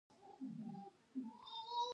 آیا دا اوبه د پوستکي لپاره ښې نه دي؟